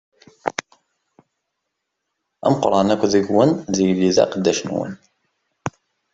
Ameqqran akk deg-wen ad yili d aqeddac-nwen.